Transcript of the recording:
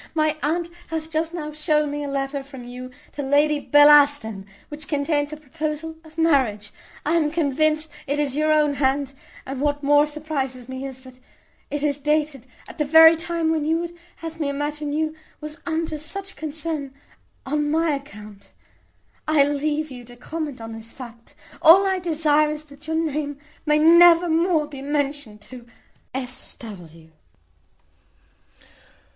My aunt hath just now shown me a letter from you to Lady Bellaston, which contains a proposal of marriage. I am convinced it is your own hand; and what more surprizes me is, that it is dated at the very time when you would have me imagine you was under such concern on my account. I leave you to comment on this fact. All I desire is, that your name may never more be mentioned to "S. W."